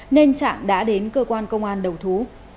nên trạng đã đến cơ quan công an đầu thú